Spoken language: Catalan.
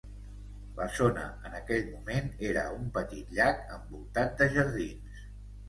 La zona en aquell moment era un petit llac envoltat de jardins.